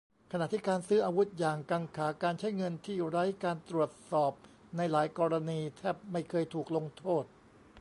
ขณะที่การซื้ออาวุธอย่างกังขา การใช้เงินที่ไร้การตรวจสอบในหลายกรณี แทบไม่เคยถูกลงโทษ